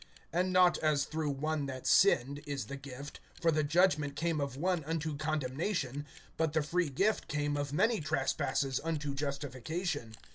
(16)And not as through one that sinned, is the gift; for the judgment came of one unto condemnation, but the free gift came of many trespasses unto justification.